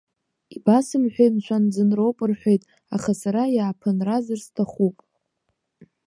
Ибасымҳәеи, мшәан, ӡынроуп рҳәеит, аха сара иааԥынразар сҭахуп.